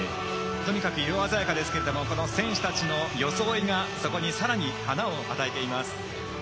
とにかく色鮮やかですけれども選手たちの装いがそこにさらに華を与えています。